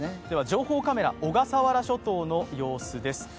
情報カメラ、小笠原諸島の様子です。